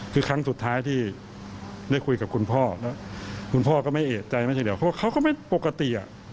คือครั้งสุดท้ายที่ได้คุยกับคุณพ่อแล้วคุณพ่อก็ไม่เอกใจไม่ใช่เดี๋ยวเขาก็ไม่ปกติ